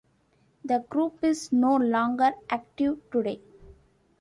The group is no longer active today.